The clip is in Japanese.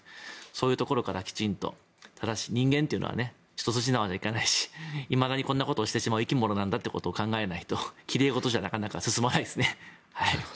そういうところからきちんと人間というのは一筋縄ではいかないしいまだにこんなことをしてしまう生き物なんだということを考えないと奇麗事じゃなかなか進まないですね。